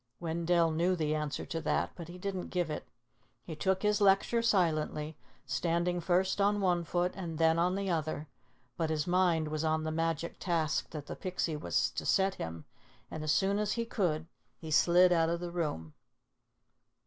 Wendell knew the answer to that, but he didn't give it. He took his lecture silently, standing first on one foot and then on the other, but his mind was on the magic task that the Pixie was to set him, and as soon as he could he slid out of the room.